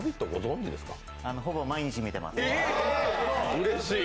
うれしい。